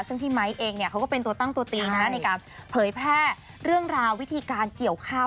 ซึ่งพี่ไมค์เองเขาก็เป็นตัวตั้งตัวตีนะในการเผยแพร่เรื่องราววิธีการเกี่ยวข้าว